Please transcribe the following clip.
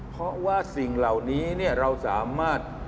เพราะว่าสิ่งเหล่านี้เราสามารถ